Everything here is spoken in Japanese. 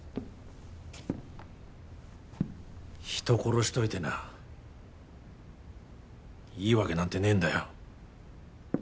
人殺しといてないいわけなんてねえんだよ